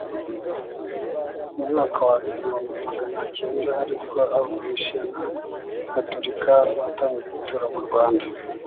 umwaka wa igihumbi magana cyenda, ari bwo abamisiyonari gatolika batangiye gutura mu rwanda